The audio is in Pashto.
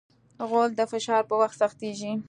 غول د فشار په وخت سختېږي.